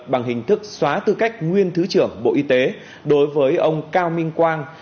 bằng hình thức xóa tư cách nguyên thứ trưởng bộ y tế đối với ông cao minh quang